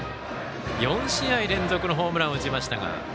４試合連続のホームランを打ちました。